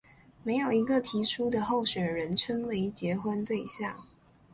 没有一个提出的候选人称为结婚对象。